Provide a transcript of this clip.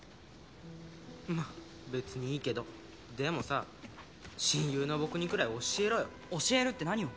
まあ別にいいけどでもさ親友の僕にくらい教えろよ教えるって何を？